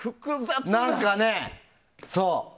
何かね、そう。